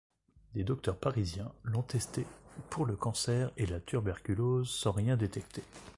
Des docteurs parisiens l'ont testé pour le cancer et la tuberculose, sans rien détecter.